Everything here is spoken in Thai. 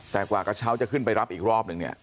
แต่กว่ากระเช้าจะขึ้นไปรับอีกรอบนึงเนี่ย